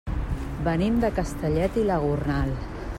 Venim de Castellet i la Gornal.